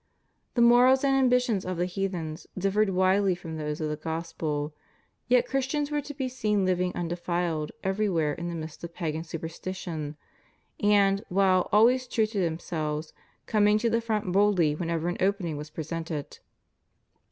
The morals and ambitions of the heathens differed widely from those of the Gospel, yet Christians were to be seen living undefiled everywhere in the midst of pagan superstition, and, while always true to themselves, coming to the front boldly wherever an opening was presented.